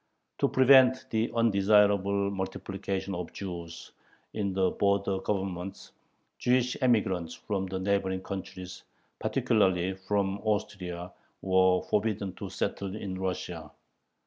To prevent the undesirable "multiplication of Jews" in the border Governments, Jewish emigrants from neighboring countries, particularly from Austria, were forbidden to settle in Russia (1824).